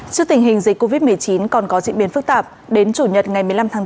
trước tình hình dịch covid một mươi chín còn có diễn biến phức tạp đến chủ nhật ngày một mươi năm tháng bốn